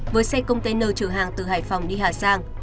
với xe công tên nờ chở hàng từ hải phòng đi hà giang